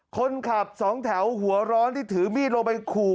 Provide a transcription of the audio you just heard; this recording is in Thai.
คนขับสองแถวหัวร้อนที่ถือมีดลงไปขู่